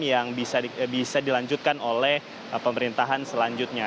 yang bisa dilanjutkan oleh pemerintahan selanjutnya